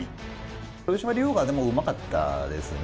豊島竜王がでも、うまかったですね。